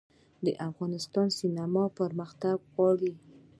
د افغانستان سینما پرمختګ غواړي